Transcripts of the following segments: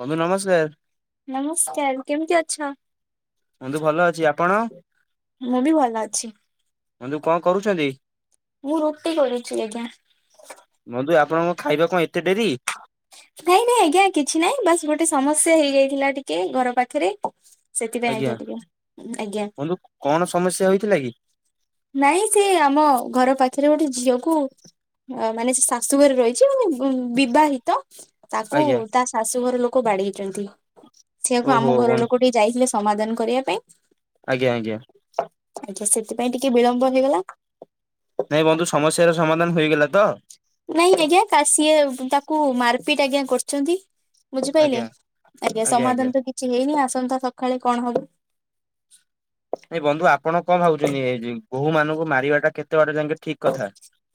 ବନ୍ଧୁ ନମସ୍କାର। ନମସ୍କାର କେମିତି ଅଛ? ବନ୍ଧୁ ଭଲ ଅଛି ଆପଣ ମୁଁ ବି ଭଲ ଅଛି। ବନ୍ଧୁ କଣ କରୁଛନ୍ତି? ମୁଁ ରୁଟି କରୁଛି ଆଜ୍ଞା। ବନ୍ଧୁ ଆପଣଙ୍କ ଖାଇବା କଣ ଏତେ ଡେରି? ନାଇଁ ନାଇଁ ଆଜ୍ଞା କିଛି ନାଇଁ ବାସ୍ ଗୋଟେ ସମସ୍ୟା ହେଇଯାଇଥିଲା ଟିକେ ଘର ପାଖରେ। ସେଥିପାଇଁ ଆଜ୍ଞା ଟିକେ ଆଜ୍ଞା ବନ୍ଧୁ କଣ ସମସ୍ୟା ହେଇଥିଲା କି? ନାଇଁ ସେ ଆମ ଘର ପାଖରେ ଗୋଟେ ଝିଅକୁ ଆ ମାନେ ସେ ଶାଶୁଘରେ ରହିଛି ମାନେ ବିବାହିତ ତାକୁ ଆଜ୍ଞା ତା ଶାଶୁ ଘର ଲୋକ ବାଡେଇଛନ୍ତି ସେଆକୁ ଓହୋ ଆମ ଘର ବନ୍ଧୁ ଲୋକ ଟିକେ ଯାଇଥିଲେ ସମାଧାନ କରିବା ପାଇଁ। ଆଜ୍ଞା ଆଜ୍ଞା। ଆଜ୍ଞା ସେଥିପାଇଁ ଟିକେ ବିଳମ୍ବ ହେଇଗଲା। ନାଇଁ ବନ୍ଧୁ ସମସ୍ୟାର ସମାଧାନ ହେଇଗଲା ତ? ନାଇଁ ଆଜ୍ଞା ସିଏ ତାକୁ ମାରପିଟ ଆଜ୍ଞା କରିଛନ୍ତି। ବୁଝିପାଇଲେ ଆଜ୍ଞା ଆଜ୍ଞା ସମାଧାନ ତ କିଛି ହେଇନି ଆସନ୍ତା ସକାଳେ କଣ ହବ? ନାଇଁ ବନ୍ଧୁ ଆପଣ କଣ ଭାବୁଛନ୍ତି ଏ ବୋଉ ମାନଙ୍କୁ ମାରିବା ଟା କେତେ ବାଟ ଯାକେ ଠିକ କଥା?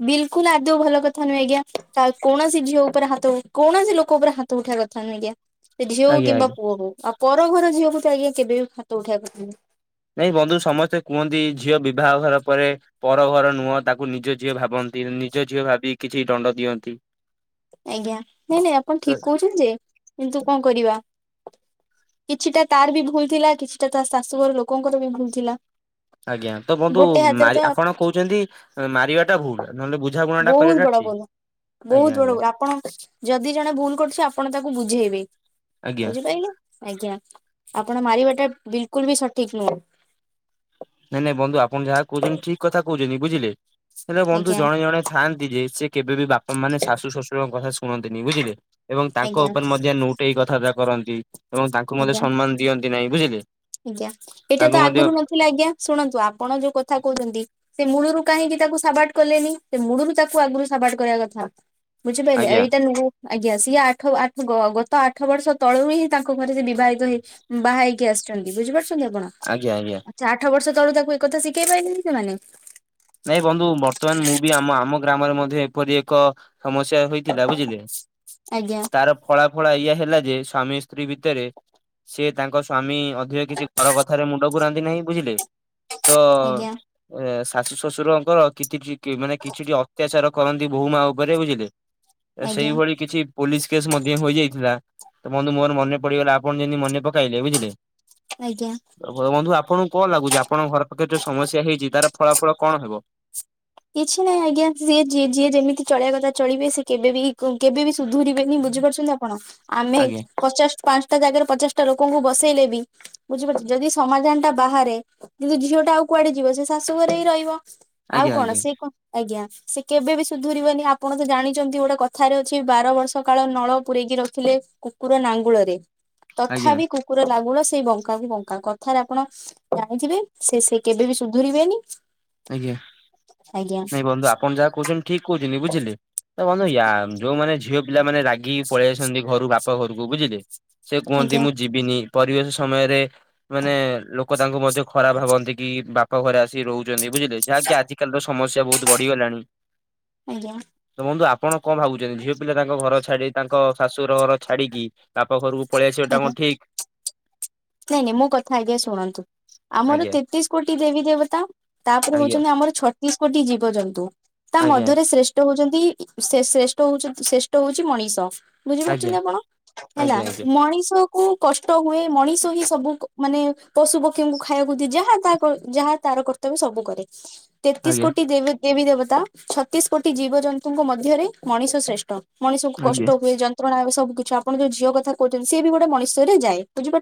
ବିଲକୁଲ ଆଦୌ ଭଲ କଥା ନୁହେ ଆଜ୍ଞା। କୌଣସି ଝିଅ ଉପରେ ହାତ କୌଣସି ଲୋକ ଉପରେ ହାତ ହାତ ଉଠେଇବା କଥା ନୁହେଁ ଆଜ୍ଞା। ସେ ଝିଅ ହଉ ଆଜ୍ଞା କିମ୍ବା ଆଜ୍ଞା ପୁଅ ହଉ ଆଉ ପର ଘର ଝିଅକୁ ତ ଆଜ୍ଞା କେବେ ବି ହାତ ଉଠେଇବା କଥା ନୁହେଁ ନାଇଁ ବନ୍ଧୁ ସମସ୍ତେ କୁହନ୍ତି ଝିଅ ବିବାହ ଘର ପରେ ପର ଘର ନୁହଁ ତାକୁ ନିଜ ଝିଅ ଭାବନ୍ତି ନିଜ ଝିଅ ଭାବି କିଛି ଦଣ୍ଡ ଦିଅନ୍ତି। ଆଜ୍ଞା ନାଇଁ ନାଇଁ ଆପଣ ତ ଠିକ କହୁଛନ୍ତି ଯେ କିନ୍ତୁ କଣ କରିବା। କିଛିଟା ତାର ବି ଭୁଲ ଥିଲା କିଛିଟା ତ ଶାଶୁଘର ଲୋକଙ୍କର ବି ଭୁଲ ଥିଲା। ଆଜ୍ଞା ତ ବନ୍ଧୁ ଗୋଟେ ହାତରେ ମାରି ତ ଆପଣ କହୁଛନ୍ତି। ମାରିବା ଟା ଭୁଲୁ ନହେଲେ ବୁଝାବୁଣା ବହୁତ କରିବା ବଡ ଟା ଠିକ। ବୋଲ ବହୁତ ବଡ ଆପଣ ଯଦି ଜଣେ ଭୁଲ କରୁଛି ଆପଣ ତାକୁ ବୁଝେଇବେ ଆଜ୍ଞା ବୁଝିପା ଆଜ୍ଞା ଆପଣ ମାରିବାଟା ବିଲକୁଲ ବି ସଠିକ ନୁହେଁ। ନାଇଁ ନାଇଁ ବନ୍ଧୁ ଆପଣ ଯାହା କହୁଛନ୍ତି ଠିକ କଥା କହୁଛନ୍ତି ବୁଝିଲେ ହେଲେ ବନ୍ଧୁ ଆଜ୍ଞା। ଜଣେ ଜଣେ ଥାଆନ୍ତି ଯେ ସେ କେବେ ବିି ବାପା ମାନେ ଶାଶୁ ଶଶୁରଙ୍କ କଥା ଶୁଣନ୍ତିନି ବୁଝିଲେ। ଏବଂ ତାଙ୍କ ଆଜ୍ଞା ଉପରେ ମଧ୍ୟ ନଉଟେଇକି କଥାବାର୍ତ୍ତା କରନ୍ତି। ଏବଂ ତାଙ୍କୁ ମଧ୍ୟ ଆଜ୍ଞା ସମ୍ମାନ ଦିଅନ୍ତି ନାହିଁ ବୁଝିଲେ ତାଙ୍କୁ ମଧ୍ୟ କି ଆଜ୍ଞା ଶୁଣନ୍ତୁ ଆପଣ ଯୋଉ କଥା କହୁଛନ୍ତି ସେ ମୂଳରୁ କାହିଁକି ତାକୁ ସାବାଡ କଲେନି ସେ ମୂଳରୁ ତାକୁ ଆଗରୁ ସାବାଡ କରିବା କଥା। ବୁଝିପାରିଲେ ଆଜ୍ଞା ଏଇଟା ନୁହ ଆଜ୍ଞା ସିଏ ଆଠ ଆଠ ଗତ ଆଠ ବର୍ଷ ତଳରୁ ହିଁ ତାଙ୍କ ତାଙ୍କୁ ଘରୁ ସେ ବିବାହିତ ହୋଇ ବାହା ହେଇକି ଆସିଛନ୍ତି ବୁଝିପାରୁଛନ୍ତି ଆପଣ? ଆଜ୍ଞା ଆଜ୍ଞା। ଆଠ ବର୍ଷ ତଳୁ ତାକୁ ଏକଥା ଶିଖେଇ ପାରିଲେନି ସେମାନେ? ନାଇଁ ବନ୍ଧୁ ବର୍ତ୍ତମାନ ମୁଁ ବି ଆମ ଆମ ଗ୍ରାମରେ ମଧ୍ୟ ଏପରି ଏକ ସମସ୍ୟା ହୋଇଥିଲା ବୁଝିଲେ ଆଜ୍ଞା ତାର ଫଳା ଫଳ ଇଏ ହେଲା ଯେ ସ୍ଵାମୀ ସ୍ତ୍ରୀ ଭିତରେ ସେ ତାଙ୍କ ସ୍ଵାମୀ ଅ ଯେ କିଛି ପର କଥାରେ ମୁଣ୍ଡ ପୁରାନ୍ତି ନାହିଁ ବୁଝିଲେ ତ ଆଜ୍ଞା ଶାଶୁ ଶ୍ୱଶୁରଙ୍କର କି କିଛି ମାନେ କିଛିଟି ଅତ୍ୟାଚାର କରନ୍ତି ବୋଉ ମା ଉପରେ ବୁଝିଲେ। ଆଜ୍ଞା ସେଇଭଳି କିଛି ପୋଲିସ କେସ୍ ମଧ୍ୟ ହୋଇଯାଇଥିଲା ତ ବନ୍ଧୁ ମୋର ମନେ ପଡିଗଲା ଆପଣ ଯେମି ମନେ କହିଲେ ବୁଝିଲେ। ଆଜ୍ଞା ତ ବନ୍ଧୁ ଆପଣଙ୍କୁ କଣ ଲାଗୁଛି ଆପଣଙ୍କ ଘର ପାଖରେ ଯୋଉ ସମସ୍ୟା ହେଇଛି ତାର ଫଳାଫଳ କଣ ହେବ? କିଛି ନାହିଁ ଆଜ୍ଞା ଯିଏ ଯେମିତି ଚଳେଇବା କଥା ଚଳିବେ ସେ କେବେ ବି କେବେ ବିି ସୁଧୁରିବେନି ବୁଝିପାରୁଛନ୍ତି ଆପଣ ଆମେ ଆଜ୍ଞା ପଚାଶ ପାଞ୍ଚଟା ଜାଗାରେ ପଚାଶଟା ଲୋକଙ୍କୁ ବସେଇଲେ ବି ବୁଝିପାରୁଛ ଯଦି ସମାଧାନ ଟା ବାହାରେ ଯଦି ଝିଅ ଟା ଆଉ କୁଆଡେ ଯିବ ସେ ଶାଶୁ ଘରେ ହିଁ ରହିବ। ଆଉ ଆଜ୍ଞା କଣ ଆଜ୍ଞା ସେ କଣ? ଆଜ୍ଞା ସେ କେବେ ବି ସୁଧୁରିବନି ଆପଣ ତ ଜାଣିଛନ୍ତି ଗୋଟେ କଥାରେ ଅଛି ବାର ବର୍ଷ କାଳ ନାଳ ପୁରେକି ରଖିଲେ କୁକୁର ନାଙ୍ଗୁଳରେ ଆଜ୍ଞା ତଥାପି କୁ କୁକୁର ଲାଗୁଳ ସେଇ ବଙ୍କା କୁ ବଙ୍କା କଥାରେ ଆପଣ ଜାଣିଥିବେ ସେ ସେ କେବେ ବି ସୁଧରିବେନି। ଆଜ୍ଞା ନାଇଁ ବନ୍ଧୁ ଆପଣ ଯାହା କହୁଛନ୍ତି ଠିକ କହୁଛନ୍ତି ବୁଝିଲେ। ତ ବନ୍ଧୁ ୟା ଯୋଉ ମାନେ ଝିଅ ପିଲା ମାନେ ରାଗିକି ପଳେଇ ଆସଛନ୍ତି ଘରୁ ବାପା ଘରକୁ ବୁଝିଲେ। ସେ କୁହନ୍ତି ଆଜ୍ଞା ମୁଁ ଯିବିନି ପରିବେଶ ସମୟରେ ମାନେ ଲୋକ ତାଙ୍କୁ ମଧ୍ୟ ଖରାପ ଭାବନ୍ତି କି ବାପା ଘରେ ଆସି ରହୁଛନ୍ତି ବୁଝିଲେ। ଯାହାକି ଆଜିକାଲିର ସମସ୍ୟା ବହୁତ ବଢିଗଲାଣି। ଆଜ୍ଞା ତ ବନ୍ଧୁ ଆପଣ କଣ ଭାବୁଛନ୍ତି ଝିଅ ପିଲା ତାଙ୍କ ଘର ଛାଡି ତାଙ୍କ ଶାଶୁରର ଘର ଛାଡିକି ବାପ ଘରକୁ ପଳେଇ ଆସିବାଟା ଆଜ୍ଞା। କଣ ଠିକ୍? ନାଇଁ ନାଇଁ ମୋ କଥା ଆଜ୍ଞା ଶୁଣନ୍ତୁ ଆମର ଆଜ୍ଞା ତେତିଶ କୋଟି ଦେବୀ ଦେବତା। ତାପରେ ଆଜ୍ଞା ହଉଛନ୍ତି ଆମର ଛତିଶ କୋଟି ଜୀବଜନ୍ତୁ ତା ଆଜ୍ଞା ମଧ୍ୟରେ ଶ୍ରେଷ୍ଠ ଷ୍ଟ ହଉଛନ୍ତି ଶ୍ରେଷ୍ଠ ହଉଛନ୍ତି ଶ୍ରେଷ୍ଠ ହଉଛି ମଣିଷ। ଆଜ୍ଞା ବୁଝିପାରୁଛନ୍ତି ଆପଣ ହେଲା ଆଜ୍ଞା ମଣିଷ କୁ କଷ୍ଟ ହୁଏ ମଣିଷ ସବୁ ମାନେ ପଶୁ ପକ୍ଷୀଙ୍କୁ ଖାଇବାକୁ ଦିଏ ଯାହା ତା ଯାହା ତାର କର୍ତ୍ତବ୍ୟ ସବୁ କରେ। ତେତିଶ ଆଜ୍ଞା କୋଟି ଦେବି ଦେବୀ ଦେବତା ଛତିଶ କୋଟି ଜୀବଜନ୍ତୁଙ୍କ ମଧ୍ୟରେ ମଣିଷ ଶ୍ରେଷ୍ଠ। ମଣିଷକୁ ଆଜ୍ଞା ଆଜ୍ଞା କଷ୍ଟ ହୁଏ ଯନ୍ତ୍ରଣା ହୁଏ ସବୁ କିଛି ଆପଣ ଯୋଉ ଝିଅ କଥା କହୁଛନ୍ତି ସିଏ ବି ଗୋଟେ ମଣିଷରେ ଯାଏ ବୁଝିପା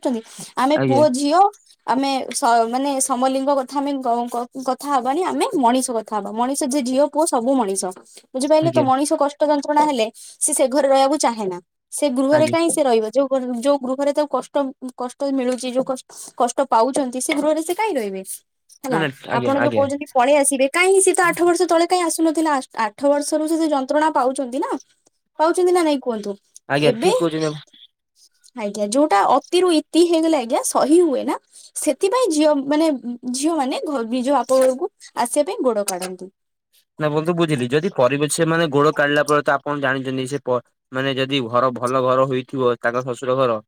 ଆମେ ଆଜ୍ଞା ପୁଅ ଝିଅ ଆମେ ସ ମାନେ ସମଲିଙ୍ଗ କଥା ଆମେ କ କଥା ହବାନି ଆମେ ମଣିଷ କଥା କଥା ହବା ମଣିଷ ଯିଏ ଝିଅ ପୁଅ ସବୁ ମଣିଷ ବୁଝିପାରିଲେ ତ ଆଜ୍ଞା ମଣିଷ କଷ୍ଟ ଯନ୍ତ୍ରଣା ହେଲେ ସେ ସେ ଘରେ ରହିବାକୁ ଚାହେଁନା ସେ ଗୃହରେ ଆଜ୍ଞା କାହିଁ ସେ ରହିବେ। ଯୋଉ ଗୃ ଯୋଉ ଗୃହରେ ତାକୁ କଷ୍ଟ କଷ୍ଟ ମିଳୁଛି ଯୋଉ କ କଷ୍ଟ ପାଉଛନ୍ତି ସେ ଗୃହରେ ସେ କାହିଁ ରହିବେ। ନା ହେଲା ନା ଆଜ୍ଞା ଆପଣ ଯୋଉ ଆଜ୍ଞା କହୁଛନ୍ତି ପଳେଇ ଆସିବେ କାହିଁକି ସେ ତ ଆଠ ବର୍ଷ ତଳେ କାଇଁ ଆସୁନଥିଲା ଆ ଆଠ ବର୍ଷର ସେ ଯୋଉ ଯନ୍ତ୍ରଣା ପାଉଛନ୍ତି ନା ପାଉଛନ୍ତି ନା ନାଇଁ କୁହନ୍ତୁ। ଆଜ୍ଞା ଏବେ ଠିକ କହୁଛନ୍ତି ଆପଣ। ଆଜ୍ଞା ଯୋଉଟା ଅ ଅତି ରୁ ଇତି ହେଇଗଲେ ଆଜ୍ଞା ସହି ହୁଏ ନା। ସେଥିପାଇଁ ଝିଅ ମାନେ ଝିଅ ମାନେ ଘ ନିଜ ବାପଘରକୁ ଆସିବା ପାଇଁ ଗୋଡ କାଢନ୍ତି। ନା ବନ୍ଧୁ ବୁଝିଲି ଯଦି ପରିବ ସେ ମାନେ ଗୋଡ କାଢିଲା ପରେ ତ ଆପଣ ଜାଣିଛନ୍ତି ସେ ମାନେ ଯଦି ଘର ଭଲ ଘର ହୋଇଥିବ ତାଙ୍କ ଶ୍ୱଶୁର ଘର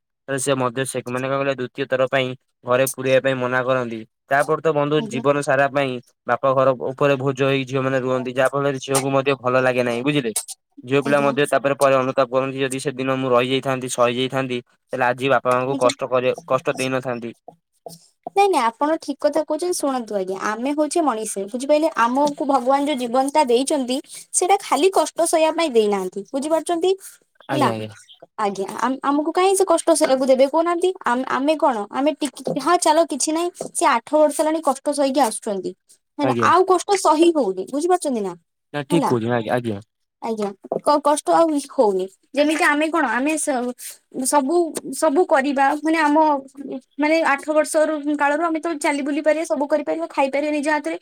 ସେ ମଧ୍ୟ ସେ ମାନେ କଣ କହିଲେ ଦ୍ଵିତୀୟ ଥର ପାଇଁ ଘରେ ପୁରେଇବା ପାଇଁ ମନା କରନ୍ତି। ତାପରେ ତ ବନ୍ଧୁ ଆଜ୍ଞା ଜୀବନ ସାରା ପାଇଁ ବାପ ଘର ଉପରେ ଭୋଜ ହେଇ ଯୌମାନେ ରୁହନ୍ତି ଯାହା ଫଳରେ ଝିଅକୁ ମଧ୍ୟ ଭଲ ଲାଗେ ନାହିଁ, ବୁଝିଲେ ଝିଅ ପିଲା ଆଜ୍ଞା ମଧ୍ୟ ତା ତାରେ ପରେ ଅନୁତାପ କରନ୍ତି ଯଦି ସେଦିନ ମୁଁ ରହିଯାଇଥାନ୍ତି, ସହିଯାଇଥାନ୍ତି ହେଲେ ଆଜି ବାପା ମାଙ୍କୁ ଆଜ୍ଞା କଷ୍ଟ କରେଇ କଷ୍ଟ ଦେଇନଥାନ୍ତି। ନାଇଁ ନାଇଁ ଆପଣ ଠିକ କଥା କହୁଚନ୍ତି ଶୁଣନ୍ତୁ ଆଜ୍ଞା ଆମେ ହଉଚେ ମଣିଷ ବୁଝିପାରିଲେ ଆମ କୁ ଭଗବାନ ଯୋଉ ଜୀବନତା ଦେଇଚନ୍ତି। ସେଇଟା ଖାଲି କଷ୍ଟ ସହିବା ପାଇଁ ଦେଇନାହାନ୍ତି ବୁଝିପାରୁଚନ୍ତି। ଆଜ୍ଞା ଆଜ୍ଞା। ଆଜ୍ଞା ଆମକୁ କାଇହିଁ ସେ କଷ୍ଟ ସେ କୁ ଦେବେ କହୁନାହାନ୍ତି ଆ ଆମେ କଣ ଆମେ ହଁ ଚାଲ କିଛି ନାହିଁ ସେ ଆଠ ବର୍ଷ ହେଲାଣି କସ୍ ଷ୍ଟ ସହିକି ଆସୁଚନ୍ତି ହେଲା ଆଜ୍ଞା ଆଉ କଷ୍ଟ ସହି ହଉନି ବୁଝିପାରୁଚନ୍ତି ନା। ନା ଠିକ ହେଲା କହୁଚ ଆ ଆଜ୍ଞା। ଆଜ୍ଞା କ- କଷ୍ଟ ଆଉ ହଉନି ଯେମିତି ଆମେ ସ କଣ ଆମେ ସବୁ ସବୁ କରିବା ମାନେ ଆମ ମାନେ ଆଠ ବର୍ଷର କାଳରୁ ଆମେ ତ ଚାଲି ବୁଲି ପାରିବା ସବୁ କରିବା ତ ସେ ଖାଇପାରିବେ ନିଜ ହାତରେ।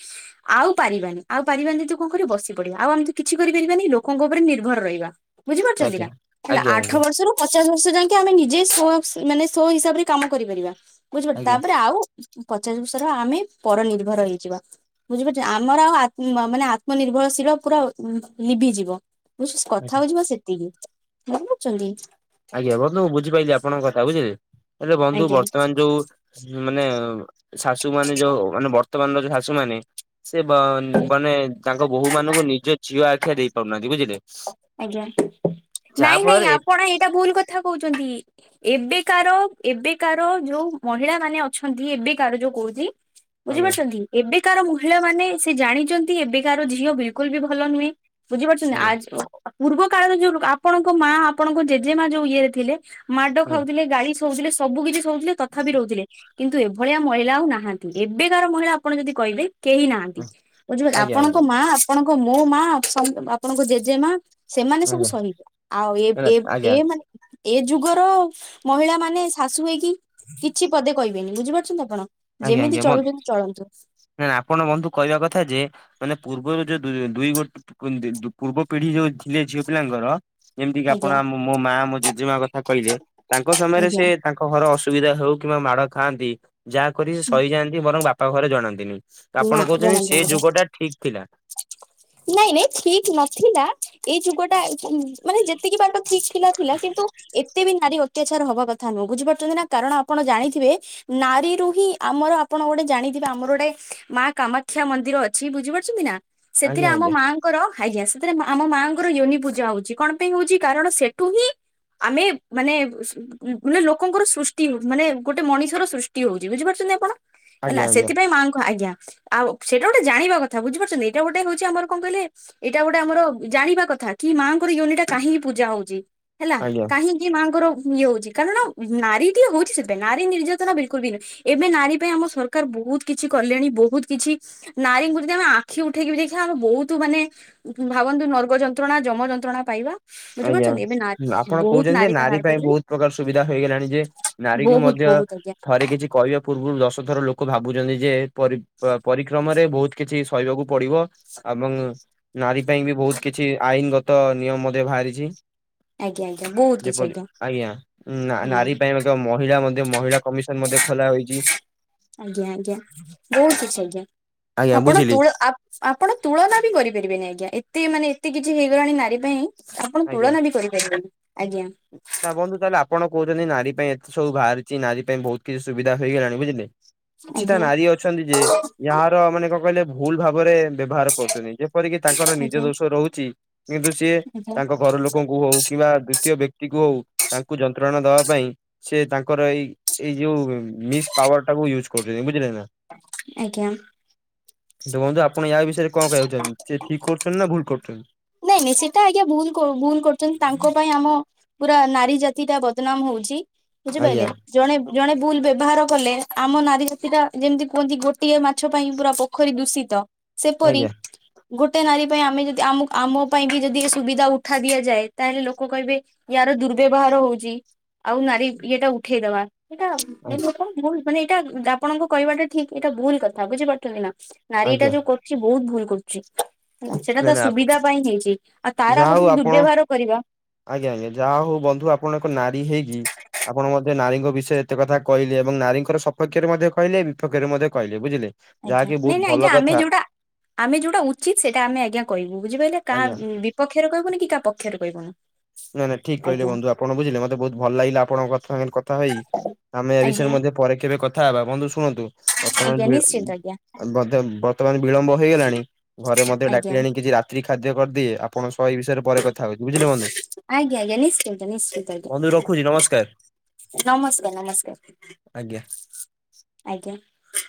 ଆଉ ପାରିବାନି ଆଉ ପାରିବାନି ଯଦି କଣ କରିବ ବସି ପଡିବା ଆଉ ଏମିତି କିଛି କରିପାରିବାନି ଲୋକଙ୍କ ଉପରେ ନିର୍ଭର ରହିବା। ବୁଝିପାରୁଚନ୍ତି ନା ଆଜ୍ଞା ହେଲା ଆଜ୍ଞା ଆଜ୍ଞା ଆଠ ଆଜ୍ଞା ବର୍ଷରୁ ପଚାଶ ବର୍ଷ ଯାଇଁକେ ଆମେ ନିଜେ ସ ମାନେ ସୋ ହିସାବରେ କାମ କରିପାରିବା ବୁଝିପାରୁିଲ ଆଜ୍ଞା ତାପରେ ଆଉ ପଚାଶ ବର୍ଷର ଆମେ ପର ନିର୍ଭର ହେଇଯିବା। ବୁଝିପାରଚ ଆମର ଆଉ ମାନେ ଆତ୍ମନିର୍ଭରଶୀଳ ପୁରା ଉ ଉଁ ଲିଭିିଯିବ। ବ ସେ ଆଜ୍ଞା। କଥା ହଉ ଯିବା ସେତିକି ବୁଝପାରଚନ୍ତି। ଆଜ୍ଞା ବନ୍ଧୁ ମୁଁ ବୁଝିପାରଲିି ଆପଣଙ୍କ କଥା ବୁଝିଲେ ହେଲେ ବନ୍ଧୁ ଆଜ୍ଞା। ବର୍ତ୍ତମାନ ଯୋଉ ମାନେ ଶାଶୁ ମାନେ ଯୋଉ ମାନେ ବର୍ତ୍ତମାନର ଯୋଉ ଶାଶୁ ମାନେ ସେ ମ ମାନେ ତାଙ୍କ ବୋହୂ ମାନଙ୍କୁ ନିଜ ଝିଅ ଆଖିଆ ଦେଇ ପାରୁନାହାନ୍ତି ବୁଝିଲେ। ଆଜ୍ଞା ଯାହା ନାଇଁ ନାଇଁ ଫଳରେ ଆପଣ ଏଇଟା ଭୁଲ କଥା କହୁଚନ୍ତି। ଏବେକାର ଏବେକାର ଯୋଉ ମହିଳା ମାନେ ଅଛନ୍ତି ଏବେକାର ଯୋଉ କହୁଚି ଆଜ୍ଞା ବୁଝିପାରୁଚନ୍ତି ଏବେକାର ମହିଳା ମାନେ ସେ ଜାଣିଚନ୍ତି ଏବେ କାର ଝିଅ ବିଲକୁଲ ବି ଭଲ ନୁହେଁ। ବୁଝିପାରୁଚନ୍ତି ଆ ଆଜ୍ଞା ପୂର୍ବ କାଳରେ ଯୋଉ ଆପଣଙ୍କ ମା ଆପଣଙ୍କ ଜେଜେମା ଯୋଉ ଇଏରେ ଥିଲେ ମାଡ ଖାଉଥିଲେ ଗାଳି ଶୋଉଥିଲେ ସବୁ କିଛି ଶୋଉଥିଲେ ତଥାପି ରହୁଥିଲେ। କିନ୍ତୁ ଏଇଭଳିଆ ମହିଳା ଆଉ ନାହାନ୍ତି ଏବେକାର ମହିଳା ଆପଣ ଯଦି କହିବେ କେହି ନାହାନ୍ତି ବୁଝିପେ ଆଜ୍ଞା ଆଜ୍ଞା ଆପଣଙ୍କ ମା ଆପଣଙ୍କ ମୋ ମା ଅ ଆପଣଙ୍କ ଜେଜେ ମା ସେମାନେ ସବୁ ଆଜ୍ଞା ଆଜ୍ଞା ସହିବେ ଆଉ ଏ ଏ ଆଜ୍ଞା ମାନେ ଏ ଯୁଗର ମହିଳା ମାନେ ଶାଶୁ ହେଇକି କିଛି ପଦେ କହିବେନି ବୁଝିପାରୁଚନ୍ତି ଆପଣ। ଆଜ୍ଞା ଯେମିତି ଆଜ୍ଞା ମନ୍ ଚଳୁଛନ୍ତି ଚଳନ୍ତୁ ନେ ଆପଣ ବନ୍ଧୁ କହିବା କଥା ଯେ ମାନେ ପୂର୍ବରୁ ଯୋଉ ଦୁଇ ଦୁଇ ଗୋଟି କୁନ୍ତି ପୁ ପୂର୍ବ ପିଢି ଯୋଉ ଥିଲେ ଝିଅ ପିଲାଙ୍କର ଯେମିତି କି ଆଜ୍ଞା ଆପଣ ମୋ ମା ମୋ ଜେଜେମା କଥା କହିଲେ ତାଙ୍କ ସମୟରେ ଆଜ୍ଞା ସେ ତାଙ୍କ ଘର ଅସୁବିଧା ହଉ କିମ୍ବା ମାଡ ଖାଆନ୍ତି ଯାହାକରିବେ ସହିଯାଆନ୍ତି ବରଂ ବାପା ଘରେ ଜଣାନ୍ତିନି। ଆପଣ ନା କହୁଚନ୍ତି ଜଣାନ୍ତୁ ସେ ଆଜ୍ଞା। ଯୁଗ ଟା ଠିକ ଥିଲା। ନାଇଁ ନାଇଁ ଠିକ ନଥିଲା ଏଇ ଯୁଗ [unintelligible] ମାନେ ଯେତିକି ବାଟ ଠିକ୍ ଥିଲା ଥିଲା କିନ୍ତୁ ଏତେ ବି ନାରୀ ତ୍ୟାଚାର ହବା କଥା ନୁହଁ ବୁଝିପାରୁଚନ୍ତି ନା କାରଣ ଆପଣ ଜାଣିଥିବେ ନାରୀରୁ ହିଁ ଆମର ଆପଣ ଗୋଟେ ଜାଣିଥିବେ ଆମର ଗୋଟେ ମା କାମାକ୍ଷା ମନ୍ଦିର ଅଛି ବୁଝିପାରୁଚନ୍ତି ନା ସେଥିରେ ଆଜ୍ଞା ଆମ ଆଜ୍ଞା ମା କର ହାୟା ସେଥିରେ ଆମ ମାଆଙ୍କର ୟୋନି ପୂଜା ହଉଚି କଣ ପାଇଁ ହଉଚି କାରଣ ସେଠୁ ହିଁ ଆମେ ମାନେ ମାନେ ଲୋକଙ୍କର ସୃଷ୍ଟି ମାନେ ଗୋଟେ ମଣିଷର ସୃଷ୍ଟି ହୋଉଚି ବୁଝିପାରୁଚନ୍ତି ଆପଣ? ହେଲା ଆଜ୍ଞା ଆଜ୍ଞା ସେଥିପାଇଁ ମାଆ ଆଜ୍ଞା। ଆଉ ସେଇଟା ଗୋଟେ ଜାଣିବା କଥା ବୁଝିପାରୁଚନ୍ତି ଏଇଟା ଗୋଟେ ହୋଉଚି ଆମର କଣ କହିଲେ ଏଇଟା ଗୋଟେ ଆମର ଜାଣିବା କଥା କି ମାଆଙ୍କର ୟୁନି ଟା କାହିଁକି ପୂଜା ହୋଉଚି ହେଲା ଆଜ୍ଞା। କାହିଁକି ଏ ମାଆଙ୍କର ଇଏ ହୋଉଚି କାରଣ ନାରୀ ଟିକେ ହୋଉଚି ସେଥିଇଁ ନାରୀ ନିର୍ଯାତନା ବିଲକୁଲ ବି ନୁହଁ। ଏବେ ନାରୀ ପାଇଁ ଆମ ସରକାର ବୋହୁତ କିଛି କଲେଣି ବୋହୁତ ବୋହୁତ କିଛି ନାରୀଙ୍କୁ ଯଦି ଆମେ ଆଖି ଉଠେଇକି ବି ଦେଖିବା ଆମେ ବୋହୁତ ମାନେ ଭାବନ୍ତୁ ନର୍ଗ ଯନ୍ତ୍ରଣା ଯମ ଯନ୍ତ୍ରଣା ପାଇବା ଆଜ୍ଞା ବୁଝିପାରୁଚନ୍ତି ଏବେ। ନାରୀ ଆପଣ ବହୁତ କହୁଛନ୍ତି ଯେ ନାରୀ ବାହାର ପାଇଁ କରୁଛନ୍ତି ବୋହୁତ ପ୍ରକାର ସୁବିଧା ହେଇଗଲାଣି ଯେ ନାରୀକୁ ବହୁତ ମଧ୍ୟ ବହୁତ ଆଜ୍ଞା ଥରେ କିଛି କହିବା ପୂର୍ବୁରୁ ଦଶ ଥର ଲୋକ ଭାବୁଛନ୍ତି ଯେ ପରି ଅ ପରିକ୍ରମରେ ବୋହୁତ କିଛି ସହିବାକୁ ପଡିବ ଏବଂ ନାରୀ ପାଇଁ ବି ବୋହୁତ କିଛି ଆଇନୀ ଗତ ନିୟମ ଦେ ବାହାରିଚି। ଆଜ୍ଞା ଆଜ୍ଞା ବହୁତ ଯେ କିଛି ପର୍ଜ ଆଜ୍ଞା ନା ହୁଁ ନାରୀ ପାଇଁ ମଧ୍ୟ ମହିଳା ମ ମହିଳା କମିଶନ ମଧ୍ୟ ଖୋଲା ହୋଇଚି। ଆଜ୍ଞା ଆଜ୍ଞା ବୋହୁତ କିଛି ଆଜ୍ଞା ଆଜ୍ଞା ଆପଣ ବୁଝିଲି ତୁଳ ଆ ଆପଣ ତୁଳନା ବି କରିପାରିବେନି ଆଜ୍ଞା ଏତେ ମାନେ ଏତେ କିଛି ହେଇଗଲାଣି ନାରୀ ପାଇଁ। ଆପଣ ଆଜ୍ଞା ତୁଳନା ବି କରିପାରିବେନି ଆଜ୍ଞା। ତା ବନ୍ଧୁ ତାହେଲେ ଆପଣ କୋହୁଚନ୍ତି ନାରୀ ପାଇଁ ଏତେ ସବୁ ବାହାରିଚି ନାରୀ ପାଇଁ ବୋହୁତ କିଛି ସୁବିଧା ହେଇଗଲାଣି ବୁଝିଲେ। କିଛିଟା ଆଜ୍ଞା ନାରୀ ଅଛନ୍ତି ଯେ ଯାହାର ମାନେ କଣ କହିଲେ ଭୁଲ ଭାବରେ ବ୍ୟବହାର କରୁଚନ୍ତି ଯେପରିକି ତାଙ୍କର ନିଜ ଆଜ୍ଞା ଦୋଷ ରହୁଚି କିନ୍ତୁ ସିଏ ଆଜ୍ଞା ତାଙ୍କ ପର ଲୋକ ଲୋକଙ୍କୁ ହୋଉ କିମ୍ବା ଦ୍ଵିତୀୟ ବ୍ୟକ୍ତି କୁ ହୋଉ ତାଙ୍କୁ ଯନ୍ତ୍ରଣା ଦବା ପାଇଁ ସେ ତାଙ୍କର ଏଇ ଏଇ ଯୋଉ ମିସ୍ ପାୱାର ଟାକୁ ୟୁଜ୍ କରୁଚନ୍ତି ବୁଝିଲେ ନା। ଆଜ୍ଞା। ଦେଖନ୍ତୁ ଆପଣ ୟା ବିଷୟରେ କଣ କହିବାକୁ ଚାହୁଚନ୍ତି ସେ ଠିକ କରୁଚନ୍ତି ନା ଭୁଲ କରୁଚନ୍ତି? ନିଶ୍ଚିତ ଆଜ୍ଞା ଭୁଲ କ ଭୁଲ କରୁଚନ୍ତି ତାଙ୍କ ପାଇଁ ଆମ ପୁରା ନାରୀ ଜାତିଟା ବଦନାମ ହୋଉଚି। ବୁଝି ଆଜ୍ଞା ପାଇଲେ ଜଣେ ଜଣେ ବୁଲ ବ୍ୟବହାର କଲେ ଆମ ନାରୀ ଜାତି ଟା ଯେମିତି କୁହନ୍ତି ଗୋଟିଏ ମାଛ ପାଇଁ ପୁରା ପୋ ପୋଖରୀ ଦୂଷିତ ସେପରି ଆଜ୍ଞା ଗୋଟେ ନାରୀ ପାଇଁ ଆମେ ଯ ଆମକୁ ଆମ ପାଇଁ ବି ଯଦି ଏ ସୁବିଧା ଉଠା ଦିଆଯାଏ ତାହେଲେ ଲୋକ କହିବେ ୟାର ଦୁର୍ବ୍ୟବହାର ହୋଉଚି। ଆଉ ନାରୀ ଇଏ ଟା ଉଠେଇଦବା। ଆଜ୍ଞା ଏଇଟା କଣ ଭୁଲ ମାନେ ଏଇଟା ଆପଣଙ୍କ କହିବାଟା ଠିକ ଏଇଟା ଭୁଲ କଥା ବୁଝିପାରୁଚନ୍ତି ନା। ନାରୀ ଏଟା ଆଜ୍ଞା ଯୋଉ କରୁଚି ବୋହୁତ ଭୁଲ କରୁଚି ସେଟା ନାଇଁ ତା ନା ସୁବିଧା ପାଇଁ ହେଇଚି ଆଉ ତାର ଯାହା ଆମର ହଉ ଯେ ଆପଣ ଦୁର୍ବ୍ୟବହାର କରିବା ଆଜ୍ଞା ଆଜ୍ଞା ଯାହା ହୋଉ ବନ୍ଧୁ ଆପଣ ଏକ ନାରୀ ହେଇକି ଆପଣ ମଧ୍ୟ ନାରୀଙ୍କ ବିଷୟ ଏତେ କଥା କହିଲେ ଏବଂ ନାରୀଙ୍କର ସପକ୍ଷରେ ମଧ୍ୟ କହିଲେ ବିପକ୍ଷରେ ମଧ୍ୟ କହିଲେ ବୁଝିଲେ। ନାଇଁ ଯାହାକି ବହୁତ ନାଇଁ ଭଲ ଆଜ୍ଞା କଥା ଆମେ ଯୋଉଟା ଆମେ ଯୋଉଟା ଉଚିତ ସେଟା ଆମେ ଆଜ୍ଞା କହିବୁ ବୁଝିପାଇଲେ କାହା ଆଜ୍ଞା ବି ବିପକ୍ଷରେ କହିବୁନି କି କାହା ପକ୍ଷରେ କହିବ୍ ନାଇଁ ନାଇଁ ଠିକ କିଲେ ବନ୍ଧୁ ଆପଣ ବୁଝିଲେ ମତେ ବୋହୁତ ଭଲ ଲାଗିଲା ଆଣଙ୍କ ସାଙ୍ଗରେ କଥା ହେଇ ଆମେ ଏ ବିଷୟରେ ଆଜ୍ଞା ମଧ୍ୟ ପରେ କେବେ କଥା ହେବା ବନ୍ଧୁ ଶୁଣନ୍ତୁ ଆଜ୍ଞା ବର୍ତ୍ତମାନ ନିଶ୍ଚିନ୍ତ [unintelligible] ଆଜ୍ଞା ମଧ୍ୟ ବର୍ତ୍ତମାନ ବିଳମ୍ବ ହେଇଗଲାଣି ଘରେ ମଧ୍ୟ ଆଜ୍ଞା ଡାକିଲେଣି କିଛି ରା ସ୍ତ୍ରୀ ଖାଦ୍ୟ କରିଦିଏ ଆପଣ ସହ ଏଇ ବିଷୟରେ ପରେ କଥା ହୋଉଚି ବୁଝିଲେ ବନ୍ଧୁ ଆଜ୍ଞା ଆଜ୍ଞା ନିଶ୍ଚିତ ନିଶ୍ଚିତ। ବନ୍ଧୁ ରଖୁଛି ନମସ୍କାର ନମସ୍କାର ଆଜ୍ଞା। ନମସ୍କାର। ଆଜ୍ଞା।